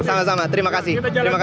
sama sama terima kasih